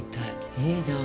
いいなあ。